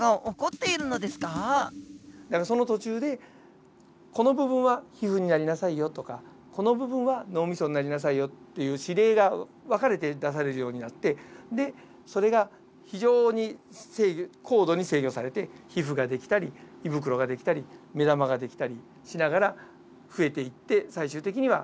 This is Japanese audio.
その途中でこの部分は皮膚になりなさいよとかこの部分は脳みそになりなさいよっていう指令が分かれて出されるようになってそれが非常に高度に制御されて皮膚ができたり胃袋ができたり目玉ができたりしながら増えていって最終的にはヒトの形ヒトの機能を全部持った個体になるという事ですね。